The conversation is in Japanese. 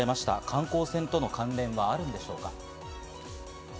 観光船との関連はあるんでしょうか？